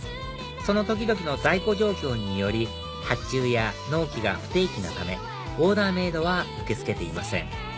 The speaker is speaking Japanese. その時々の在庫状況により発注や納期が不定期なためオーダーメイドは受け付けていません